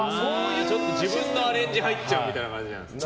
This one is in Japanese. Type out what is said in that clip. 自分のアレンジ入っちゃうみたいな感じなんですね。